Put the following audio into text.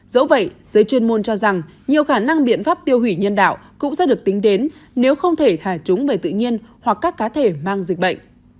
dẫu vậy giới chuyên môn cho rằng nhiều khả năng biện pháp tiêu hủy nhân đạo cũng sẽ được tính đến nếu không thể thả chúng về tự nhiên hoặc các cá thể mang dịch bệnh